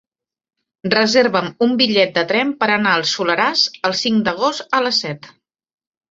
Reserva'm un bitllet de tren per anar al Soleràs el cinc d'agost a les set.